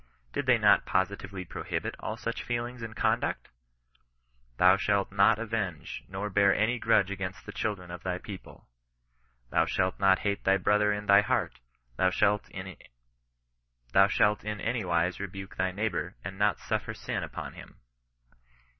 Did they not positively prohibit all such feelings and conduct ?" Thou shalt not avenge, nor bear any grudge against the children of thy peopk." *^ Thou shalt not hate thy brother in thy heart : thou malt in anywise rebuke thy neighbour, and not suffer sin upon him."